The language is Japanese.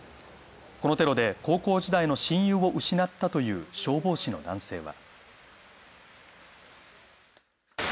このテロで高校時代の親友を失ったという消防士の男性は。